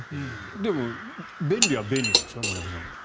でも、便利は便利なんでしょ森山さん。